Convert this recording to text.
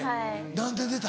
何点出た？